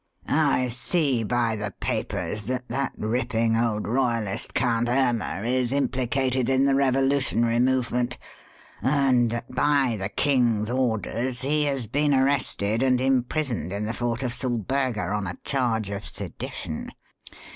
I see by the papers that that ripping old royalist, Count Irma, is implicated in the revolutionary movement and that, by the king's orders, he has been arrested and imprisoned in the Fort of Sulberga on a charge of sedition.